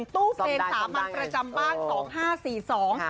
ตู้เพลงสามัญประจำบ้าง๒๕๔๒